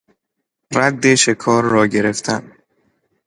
رد شکار را گرفتن